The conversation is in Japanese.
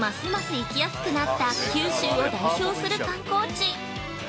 行きやすくなった九州を代表する観光地。